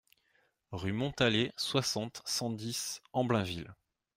Rue Montalet, soixante, cent dix Amblainville